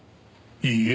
いいえ。